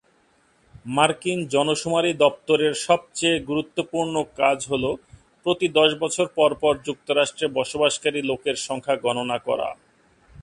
মার্কিন জনশুমারি দপ্তরের সবচেয়ে গুরুত্বপূর্ণ কাজ হল প্রতি দশ বছর পর পর যুক্তরাষ্ট্রে বসবাসকারী লোকের সংখ্যা গণনা করা।